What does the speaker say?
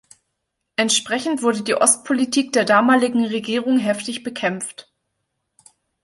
Entsprechend wurde die Ostpolitik der damaligen Regierung heftig bekämpft.